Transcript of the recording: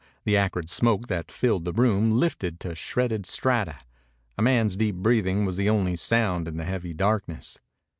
The acrid smoke that filled the room lifted to shredded strata. A man's deep breathing was the only sound in the heavy darkness.